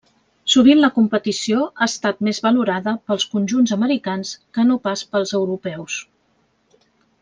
Sovint la competició ha estat més valorada pels conjunts americans que no pas pels europeus.